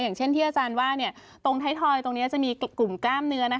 อย่างเช่นที่อาจารย์ว่าตรงไทยทอยตรงนี้จะมีกลุ่มกล้ามเนื้อ